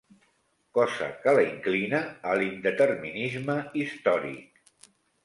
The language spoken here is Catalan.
Cosa que la inclina a l'indeterminisme històric.